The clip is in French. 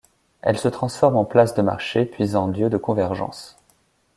Elle se transforme en place de marché puis en lieu de convergence.